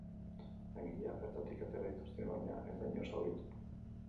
Langileak bertatik atera dituzte, baina ez da inor zauritu.